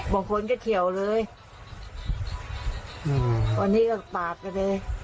บางคนก็เขี่ยวเลยวันนี้ก็ตาไปเลย